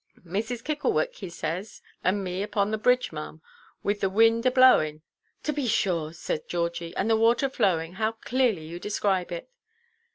'Mrs. Kicklewick,' he says, and me upon the bridge, maʼam, with the wind a blowinʼ——" "To be sure," said Georgie, "and the water flowing; how clearly you describe it!"